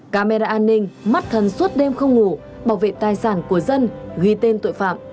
camera an ninh mắt thần suốt đêm không ngủ bảo vệ tài sản của dân ghi tên tội phạm